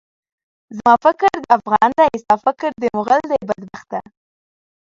زما فکر د افغان دی، ستا فکر د مُغل دی، بدبخته!